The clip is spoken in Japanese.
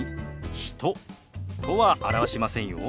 「人」とは表しませんよ。